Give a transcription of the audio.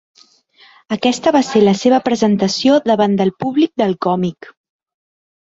Aquesta va ser la seva presentació davant del públic del còmic.